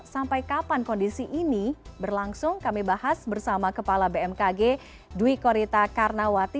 sampai kapan kondisi ini berlangsung kami bahas bersama kepala bmkg dwi korita karnawati